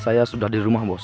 saya sudah di rumah bos